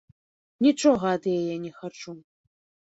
Нічога ад яе не хачу.